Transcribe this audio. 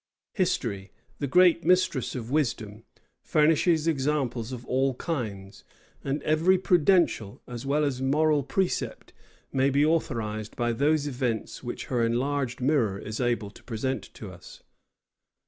History, the great mistress of wisdom, furnishes examples of all kinds; and every prudential, as well as moral precept, may be authorized by those events which her enlarged mirror is able to present to us.